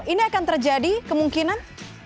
ini akan terjadi kemungkinan